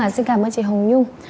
xin cảm ơn chị hồng nhung